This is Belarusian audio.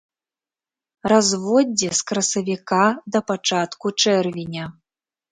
Разводдзе з красавіка да пачатку чэрвеня.